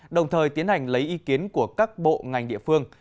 đồng thời tiến hành lấy ý kiến của các bộ ngành địa phương